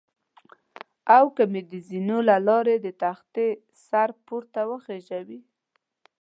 او که مې د زینو له لارې د تختې سره پورته وخېژوي.